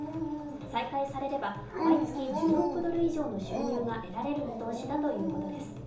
再開されれば毎月１０億ドル以上の収入が得られる見通しだということです。